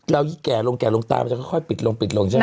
เราอีกแก่ลงแก่ลงตามันจะค่อยปิดลงใช่มั้ย